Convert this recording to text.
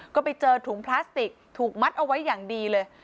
ก็ไปเจอถุงพลาสติกถูกมัดเอาไว้อย่างดีเลย